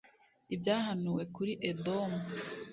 Ibyahanuwe kuri Edomu